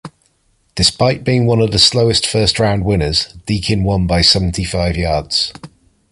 Despite being one of the slowest first round winners, Deakin won by seventy-five yards.